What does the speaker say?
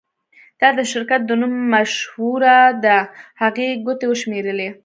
دا د شرکت د نوم مشوره ده هغې ګوتې وشمیرلې